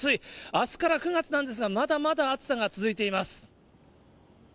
あすから９月なんですが、まだまだ暑さが続いています。